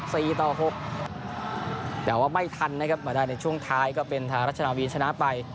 สี่ต่อหกแต่ว่าไม่ทันนะครับมาได้ในช่วงท้ายก็เป็นทางรัชนาวีชนะไป